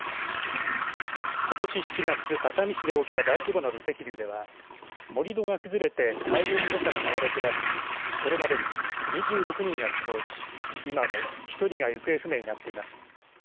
ことし７月、熱海市で起きた大規模な土石流では盛り土が崩れて大量の土砂が流れ下りこれまでに２６人が死亡し今も１人が行方不明になっています。